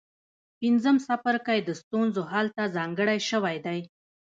پنځم څپرکی د ستونزو حل ته ځانګړی شوی دی.